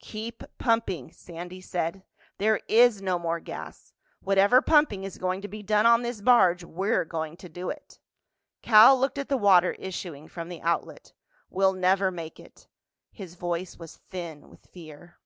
"Keep pumping," Sandy said. "There is no more gas. Whatever pumping is going to be done on this barge—we're going to do it." Cal looked at the water issuing from the outlet. "We'll never make it." His voice was thin with fear.